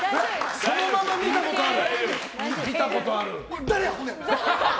そのまま見たことある。